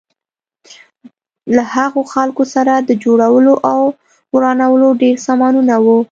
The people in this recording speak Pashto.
له هغو خلکو سره د جوړولو او ورانولو ډېر سامانونه وو.